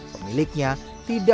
ze asia burung mahal